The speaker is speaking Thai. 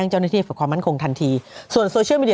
เขาเข้าได้หมด